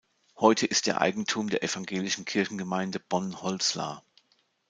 Heute ist er Eigentum der Evangelischen Kirchengemeinde Bonn-Holzlar.